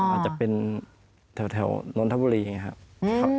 อาจจะเป็นแถวนนทบุรีอย่างนี้ครับ